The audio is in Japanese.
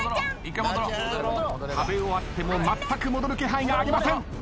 食べ終わってもまったく戻る気配がありません。